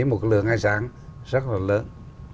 một lượng hải sản rất là lớn